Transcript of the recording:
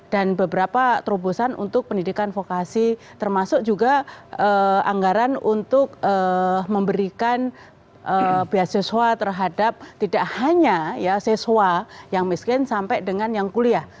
dan beberapa terobosan untuk pendidikan vokasi termasuk juga anggaran untuk memberikan biaya sesuai terhadap tidak hanya sesuai yang miskin sampai dengan yang kuliah